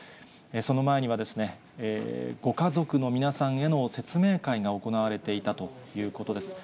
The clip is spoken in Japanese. その前には、ご家族の皆さんへの説明会が行われていたということです。